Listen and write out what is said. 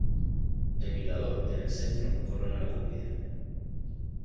El Mirador, en el centro, corona la cúspide.